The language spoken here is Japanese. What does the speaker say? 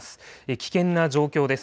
危険な状況です。